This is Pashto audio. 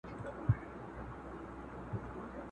بیا دي نوم نه یادومه ځه ورځه تر دکن تېر سې!!